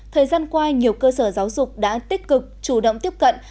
thời gian qua nhiều cơ sở giáo dục đã tích cực chủ động tiếp cận